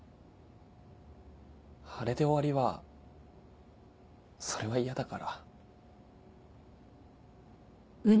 あれで終わりはそれは嫌だから。